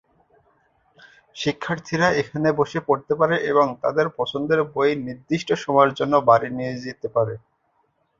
শিক্ষার্থীরা এখানে বসে পড়তে পারে এবং তাদের পছন্দের বই নির্দিষ্ট সময়ের জন্য বাড়ি নিয়ে যেতে পারে।